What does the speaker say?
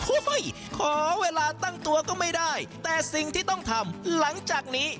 ขอเวลาตั้งตัวก็ไม่ได้แต่สิ่งที่ต้องทำหลังจากนี้